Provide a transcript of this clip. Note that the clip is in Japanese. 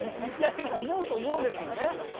でも思うと思うんですよね。